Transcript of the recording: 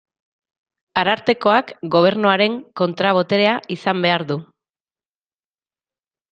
Arartekoak Gobernuaren kontra-boterea izan behar du.